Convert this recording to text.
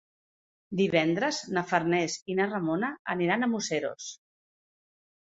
Divendres na Farners i na Ramona aniran a Museros.